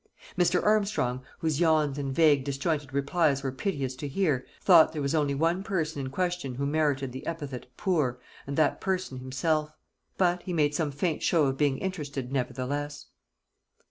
Mr. Armstrong, whose yawns and vague disjointed replies were piteous to hear, thought there was only one person in question who merited the epithet "poor," and that person himself; but he made some faint show of being interested nevertheless.